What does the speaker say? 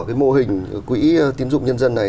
cái mô hình quỹ tiến dụng nhân dân này